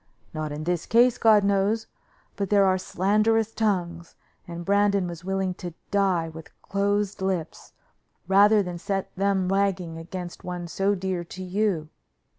Not in this case, God knows, but there are slanderous tongues, and Brandon was willing to die with closed lips, rather than set them wagging against one so dear to you.